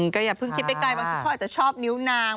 ก็อย่าเพิ่งคิดไปไกลบางทีเขาอาจจะชอบนิ้วนาง